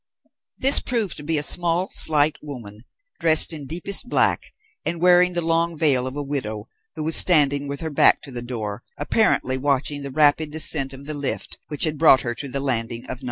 This proved to be a small, slight woman dressed in deepest black and wearing the long veil of a widow, who was standing with her back to the door, apparently watching the rapid descent of the lift which had brought her to the landing of No.